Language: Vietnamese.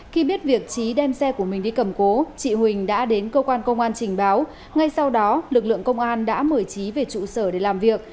khi biết việc trí đem xe của mình đi cầm cố chị huỳnh đã đến cơ quan công an trình báo ngay sau đó lực lượng công an đã mời trí về trụ sở để làm việc